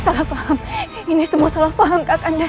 tapi aku harus tetap mencari bunda